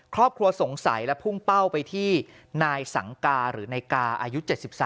ครอบครัวสงสัยและพุ่งเป้าไปที่นายสังกาหรือนายกาอายุ๗๓